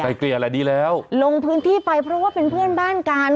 เกลี่ยแหละดีแล้วลงพื้นที่ไปเพราะว่าเป็นเพื่อนบ้านกัน